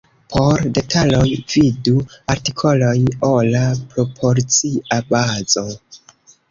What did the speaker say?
Por detaloj, vidu artikolojn ora proporcia bazo.